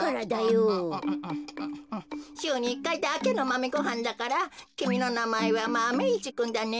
しゅうに１かいだけのマメごはんだからきみのなまえはマメ１くんだね。